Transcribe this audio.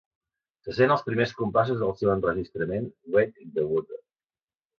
Se sent als primers compassos del seu enregistrament "Wade in the Water".